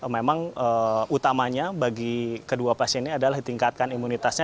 memang utamanya bagi kedua pasien ini adalah tingkatkan imunitasnya